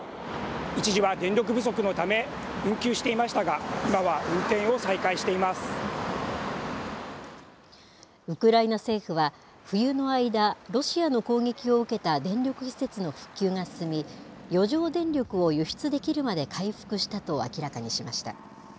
一時は電力不足のため、運休していましたが、今は運転を再開してウクライナ政府は、冬の間、ロシアの攻撃を受けた電力施設の復旧が進み、余剰電力を輸出できるまで回復したと明らかにしました。